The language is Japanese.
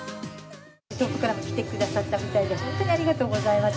遠くから来てくださったみたいでありがとうございます。